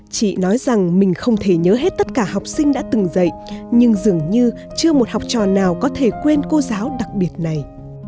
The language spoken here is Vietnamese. chị nói rằng mình không thể nhớ hết tất cả học sinh đã từng dạy nhưng dường như chưa một học trò nào có thể quên cô giáo đặc biệt này